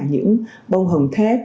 những bông hồng thép